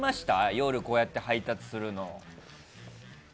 夜、こうやって配達するの。